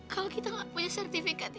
kalau kita enggak punya sertifikat ini